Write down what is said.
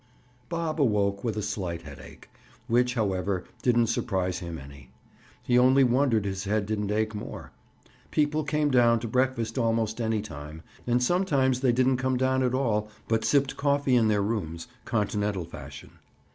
Bob awoke with a slight headache, which, however, didn't surprise him any. He only wondered his head didn't ache more. People came down to breakfast almost any time, and sometimes they didn't come down at all but sipped coffee in their rooms, continental fashion.